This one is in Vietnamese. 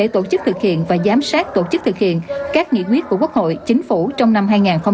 tổ chức thực hiện và giám sát tổ chức thực hiện các nghị quyết của quốc hội chính phủ trong năm hai nghìn hai mươi